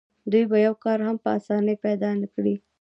دوی به یو کار هم په اسانۍ پیدا نه کړي